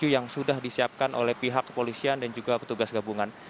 yang sudah disiapkan oleh pihak kepolisian dan juga petugas gabungan